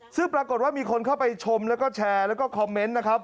ซึ่งปรากฏว่ามีคนเข้าไปชมแล้วก็แชร์แล้วก็คอมเมนต์นะครับ